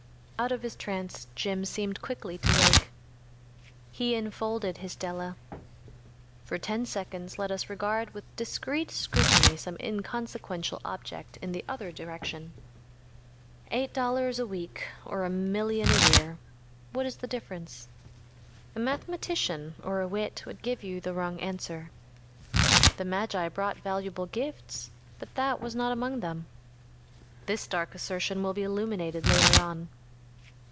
‚ÄĚ Out of his trance Jim seemed quickly to wake. He enfolded his Della. For ten seconds let us regard with discreet scrutiny some inconsequential object in the other direction. Eight dollars a week or a million a year‚ÄĒwhat is the difference? A mathematician or a wit would give you the wrong answer. The magi brought valuable gifts, but that was not among them. This dark assertion will be illuminated later on.